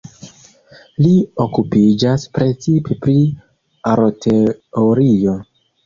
Li okupiĝas precipe pri aroteorio.